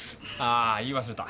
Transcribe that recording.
あ言い忘れた。